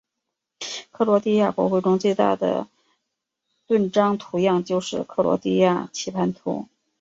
克罗地亚国徽中最大的盾章图样就是克罗地亚棋盘图。